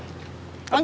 lengkap ini ya